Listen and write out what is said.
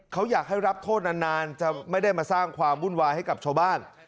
เขาอยากให้รับโทษนานจะไม่ได้มาสร้างความวุ่นวายให้กับชาวบ้าน